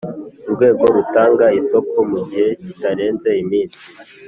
Urwego rutanga isoko mu gihe kitarenze iminsi